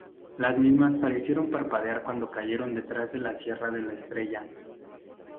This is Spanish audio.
Las mismas parecieron parpadear cuando cayeron detrás de la Sierra de la Estrella.